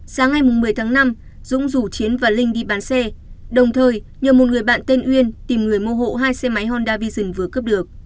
sáng ngày một mươi tháng năm dũng rủ chiến và linh đi bán xe đồng thời nhờ một người bạn tên uyên tìm người mua hộ hai xe máy honda vision vừa cướp được